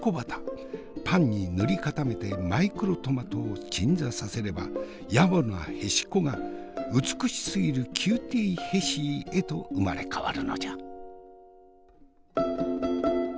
パンに塗り固めてマイクロトマトを鎮座させればやぼなへしこが美しすぎるキューティーヘシーへと生まれ変わるのじゃ。